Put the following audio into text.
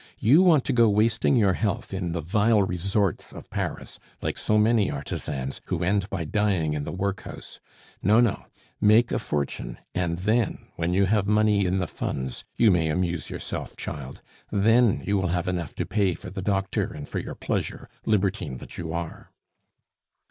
"You want to go wasting your health in the vile resorts of Paris, like so many artisans, who end by dying in the workhouse. No, no, make a fortune, and then, when you have money in the funds, you may amuse yourself, child; then you will have enough to pay for the doctor and for your pleasure, libertine that you are."